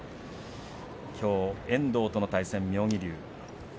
きょう、遠藤との対戦、妙義龍。